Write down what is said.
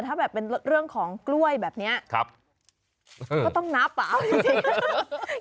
ถ้าแบบเป็นเรื่องของกล้วยแบบเนี้ยครับก็ต้องนับอ่ะเอาจริง